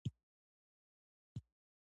وسله باید له ټولنې ووځي